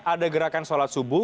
ada gerakan sholat subuh